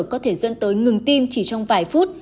có thể dẫn tới ngừng tim chỉ trong vài phút